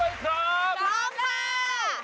พร้อมค่ะ